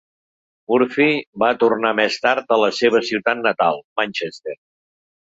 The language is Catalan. Murphy va tornar més tard a la seva ciutat natal, Manchester.